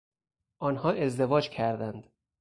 آنها ازدواج کردند.